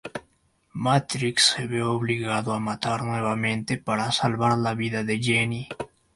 Matrix se ve obligado a matar nuevamente para salvar la vida de Jenny.